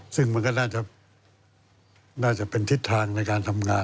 ซึ่งมันก็น่าจะเป็นทิศทางในการทำงาน